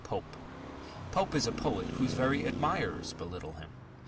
X POPE Pope is a poet whose very admirers belittle him.